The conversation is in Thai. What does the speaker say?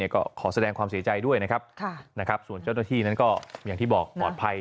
ก็ขอแสดงความเสียใจด้วยนะครับส่วนเจ้าหน้าที่นั้นก็อย่างที่บอกปลอดภัย